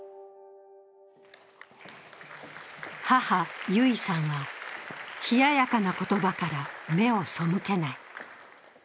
母・結衣さんは冷ややかな言葉から目を背けない。